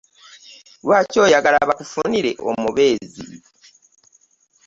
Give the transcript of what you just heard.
Lwaki oyagala bakufunire omubeezi?